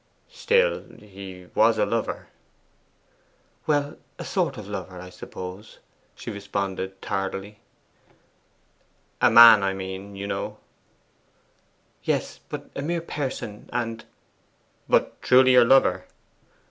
'Still, he was a lover?' 'Well, a sort of lover, I suppose,' she responded tardily. 'A man, I mean, you know.' 'Yes; but only a mere person, and ' 'But truly your lover?